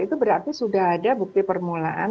itu berarti sudah ada bukti permulaan